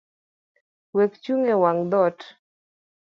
Wekchung’ ewang’ dhoot.